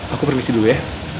aku permisi dulu ya